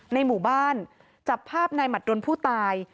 ในหมู่บ้านจับภาพนายหมัดดนผู้ตาย